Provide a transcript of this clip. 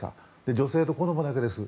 女性と子供だけです。